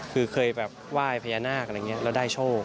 คือเคยว่ายพายะนาคแล้วได้โชค